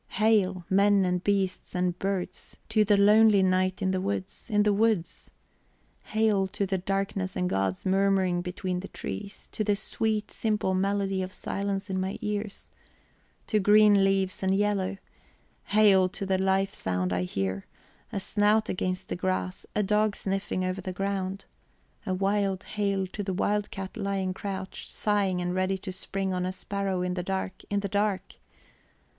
"Hail, men and beasts and birds, to the lonely night in the woods, in the woods! Hail to the darkness and God's murmuring between the trees, to the sweet, simple melody of silence in my ears, to green leaves and yellow! Hail to the life sound I hear; a snout against the grass, a dog sniffing over the ground! A wild hail to the wildcat lying crouched, sighting and ready to spring on a sparrow in the dark, in the dark!